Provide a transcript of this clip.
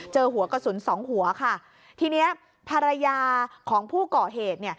หัวกระสุนสองหัวค่ะทีนี้ภรรยาของผู้ก่อเหตุเนี่ย